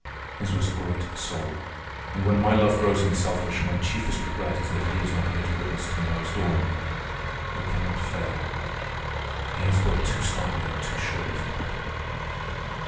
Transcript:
His was a great soul, and, when my love grows unselfish, my chiefest regret is that he is not here to witness to morrow's dawn. We cannot fail. He has built too stoutly and too surely for that.